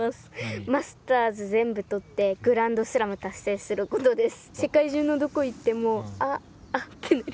マスターズ全部とってグランドスラム達成することです